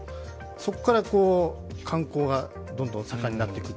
そこから観光がどんどん盛んになっていく。